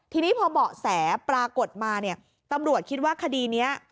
ทีนี้พอเบาะแสปรากฏมาเนี่ยตำรวจคิดว่าคดีนี้